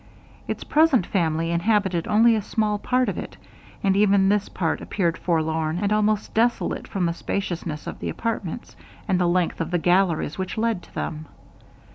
Its present family inhabited only a small part of it; and even this part appeared forlorn and almost desolate from the spaciousness of the apartments, and the length of the galleries which led to them.